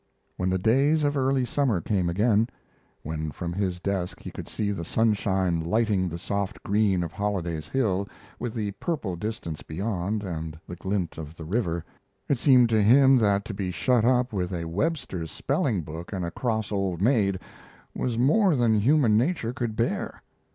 When the days of early summer came again; when from his desk he could see the sunshine lighting the soft green of Holliday's Hill, with the purple distance beyond, and the glint of the river, it seemed to him that to be shut up with a Webster's spelling book and a cross old maid was more than human nature could bear.